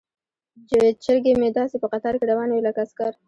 چرګې مې داسې په قطار کې روانې وي لکه عسکر.